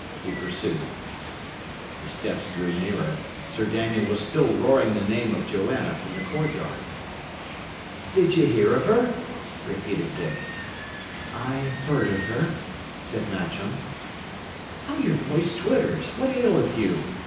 he pursued. The steps drew nearer. Sir Daniel was still roaring the name of Joanna from the courtyard. "Did ye hear of her?" repeated Dick. "I heard of her," said Matcham. "How your voice twitters! What aileth you?"